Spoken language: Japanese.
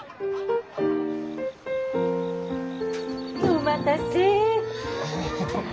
お待たせ。